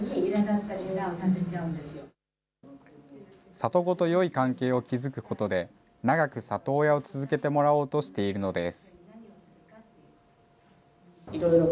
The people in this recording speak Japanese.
里子とよい関係を築くことで、長く里親を続けてもらおうとしているのです。